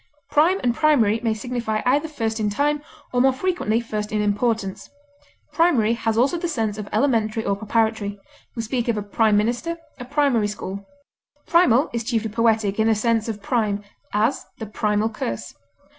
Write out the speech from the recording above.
Prime and primary may signify either first in time, or more frequently first in importance; primary has also the sense of elementary or preparatory; we speak of a prime minister, a primary school. Primal is chiefly poetic, in the sense of prime; as, the primal curse.